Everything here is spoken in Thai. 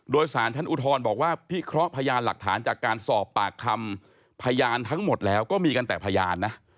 โดยสารชั้นอุทธรณ์บอกว่าพิเคราะห์พยานหลักฐานจากการสอบปากคำพยานทั้งหมดแล้วก็มีกันแต่พยานนะ